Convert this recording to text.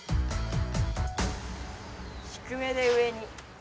低めで上に。